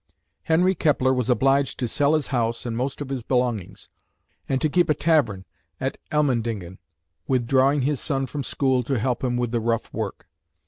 Henry Kepler was obliged to sell his house and most of his belongings, and to keep a tavern at Elmendingen, withdrawing his son from school to help him with the rough work.